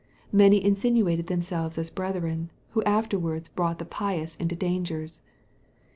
Many insinuated themselves as brethren, who afterwards brought the pious into dangers.